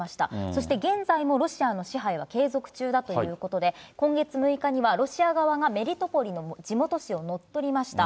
そして現在もロシアの支配は継続中だということで、今月６日にはロシア側がメリトポリの地元紙を乗っ取りました。